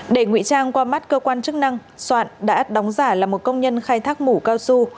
để ngụy trang qua mắt cơ quan chức năng soạn đã đóng giả là một công nhân khai thác mũ cao su